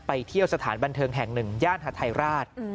เที่ยวสถานบันเทิงแห่งหนึ่งย่านฮาไทยราช